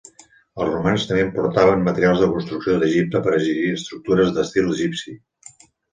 Els romans també importaven materials de construcció d'Egipte per erigir estructures d'estil egipci.